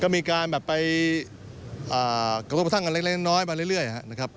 ก็มีการแบบไปกระทบสร้างกันเล็กมาเรื่อยนะครับ